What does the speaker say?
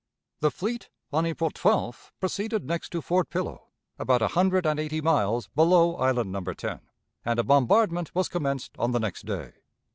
The fleet, on April 12th, proceeded next to Fort Pillow, about a hundred and eighty miles below Island No. 10, and a bombardment was commenced on the next day.